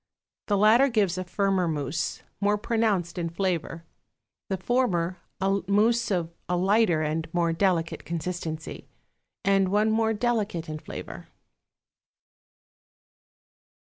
The latter gives a firmer mousse, more pronounced in flavor; the former, a mousse of a lighter and more delicate consistency, and one more delicate in flavor.